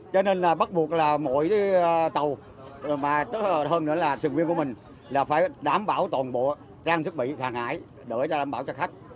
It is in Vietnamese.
cho nên là bắt buộc là mỗi tàu mà hơn nữa là thuyền viên của mình là phải đảm bảo toàn bộ trang thiết bị hàng hải để đảm bảo cho khách